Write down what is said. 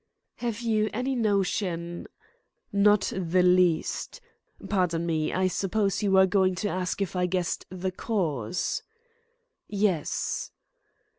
"Have you any notion " "Not the least. Pardon me. I suppose you were going to ask if I guessed the cause?" "Yes."